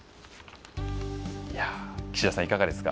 岸田さん、いかがですか？